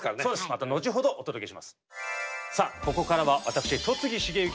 また後ほどお届けします。